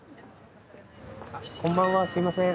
こんばんはすいません。